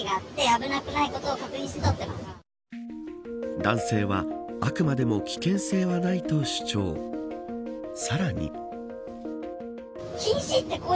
男性は、あくまでも危険性はないと主張さらに。